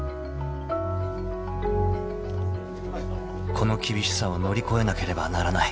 ［この厳しさを乗り越えなければならない］